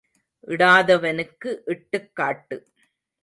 இடாதவனுக்கு இட்டுக் காட்டு.